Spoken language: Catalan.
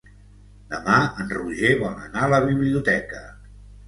Demà en Roger vol anar a la biblioteca.